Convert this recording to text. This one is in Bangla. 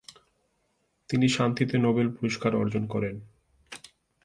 তিনি শান্তিতে নোবেল পুরস্কার অর্জন করেন।